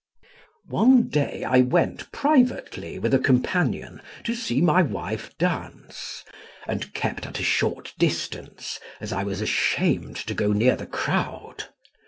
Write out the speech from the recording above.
One day I went privately, with a companion, to see my wife dance, and kept at a short distance, as I was ashamed to go near the crowd.